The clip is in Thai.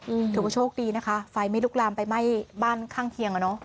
อืมถือว่าโชคดีนะคะไฟไม่ลุกลามไปไหม้บ้านข้างเคียงอ่ะเนอะ